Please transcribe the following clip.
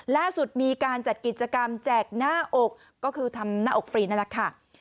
ล่าสุดมีการจัดกิจกรรมแจกหน้าอกก็คือทำหน้าอกฟรีนั่นแหละค่ะ